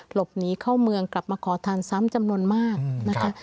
หลบหนีเข้าเมืองกลับมาขอทานซ้ำจำนวนมากนะคะ